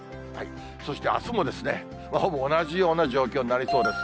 そして、あすもですね、ほぼ同じような状況になりそうです。